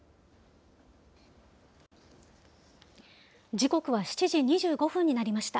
時刻は７時２５分になりました。